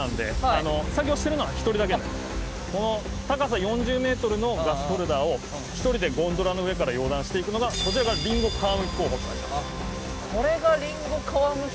この高さ４０ｍのガスホルダーを１人でゴンドラの上から溶断していくのがこれがリンゴ皮むき